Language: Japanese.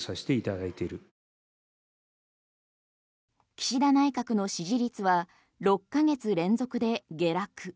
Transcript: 岸田内閣の支持率は６ヶ月連続で下落。